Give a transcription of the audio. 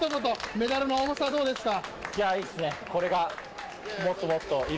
メダルの重さどうですか？